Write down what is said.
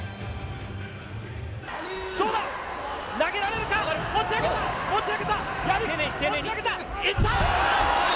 どうだ、投げられるか、持ち上げた、持ち上げた、持ち上げた、いった！